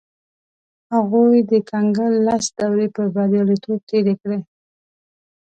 هغوی د کنګل لس دورې په بریالیتوب تېرې کړې.